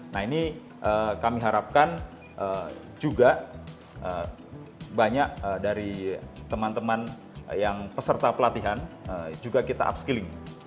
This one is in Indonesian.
nah ini kami harapkan juga banyak dari teman teman yang peserta pelatihan juga kita upskilling